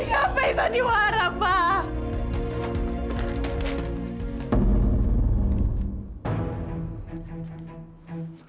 ngapain sandiwara pak